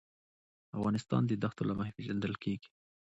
افغانستان د دښتو له مخې پېژندل کېږي.